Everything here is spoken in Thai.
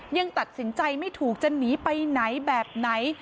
ยังตัดสินใจไม่ถูกจะหนีไปไหนแบบไหน